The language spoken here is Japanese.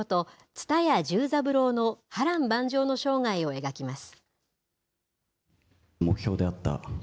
蔦屋重三郎の波乱万丈の生涯を描きます。